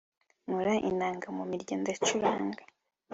nkora inanga mu mirya ndacuranga